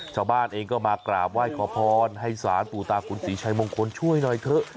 ชาวบ้านเองก็มากราบไหว้ขอพรให้สารปู่ตาขุนศรีชัยมงคลช่วยหน่อยเถอะ